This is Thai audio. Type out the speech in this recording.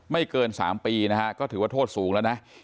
ไม่เกิน๓ปีนะฮะก็ถือว่าโทษสูงแล้วนะ